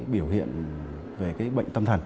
biểu hiện về cái bệnh tâm thần